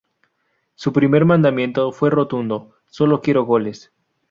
Su primer mandamiento fue rotundo: "“Sólo quiero goles.